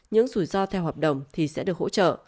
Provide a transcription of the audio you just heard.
những rủi ro theo hợp đồng thì sẽ được hỗ trợ